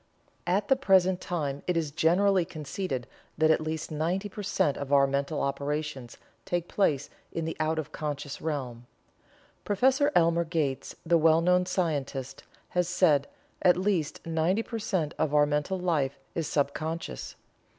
At the present time it is generally conceded that at least ninety per cent of our mental operations take place in the out of conscious realm. Prof. Elmer Gates, the well known scientist, has said: "At least ninety per cent of our mental life is sub conscious.